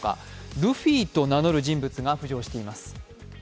ルフィと名乗る人物が浮上しています。